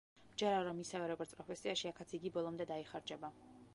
მჯერა, რომ ისევე როგორც პროფესიაში, აქაც იგი ბოლომდე დაიხარჯება.